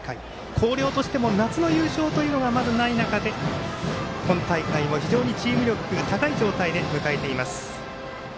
広陵としては夏の優勝というのがない中で今大会、チーム力が高い状態で迎えています。